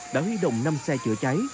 đã huy động năm xe chữa cháy